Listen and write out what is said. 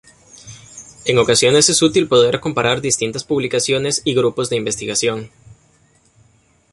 En ocasiones es útil poder comparar distintas publicaciones y grupos de investigación.